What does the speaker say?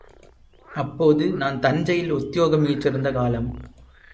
அப்போது நான் தஞ்சையில் உத்தியோகம் ஏற்றிருந்த காலம்.